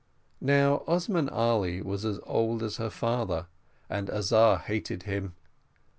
Now Osman Ali was as old as her father, and Azar hated him.